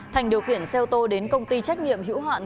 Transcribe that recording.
thành điều khiển xe ô tô đến công ty trách nhiệm hữu hạn phú bắc